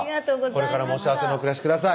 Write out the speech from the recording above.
これからもお幸せにお暮らしください